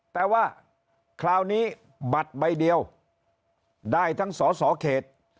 แต่ว่าคราวนี้บัตรใบเดียวได้ทั้งสสเขต